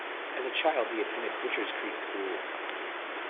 As a child he attended Butchers Creek School.